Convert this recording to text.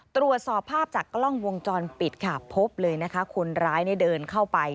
ตรวจสอบภาพจากกล้องวงจรปิดค่ะพบเลยนะคะคนร้ายเดินเข้าไป